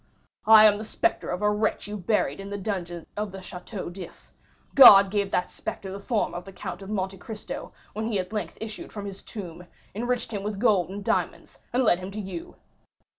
"I am the spectre of a wretch you buried in the dungeons of the Château d'If. God gave that spectre the form of the Count of Monte Cristo when he at length issued from his tomb, enriched him with gold and diamonds, and led him to you!"